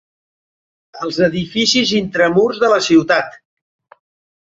Els edificis intramurs de la ciutat.